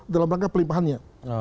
dalam rangka pelimpahannya